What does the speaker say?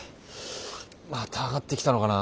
また上がってきたのかな。